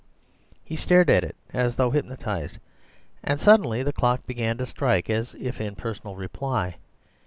He stared at it as though hypnotized; and suddenly the clock began to strike, as if in personal reply.